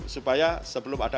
supaya sebelum ada